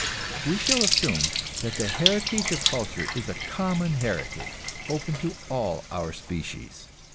We shall assume that the heritage of culture is a common heritage, open to all our species.